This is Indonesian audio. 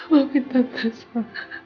maafin tante satu